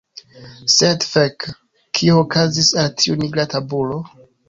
Sed, fek, kio okazis al tiu nigra tabulo?